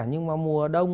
nhưng mà mùa đông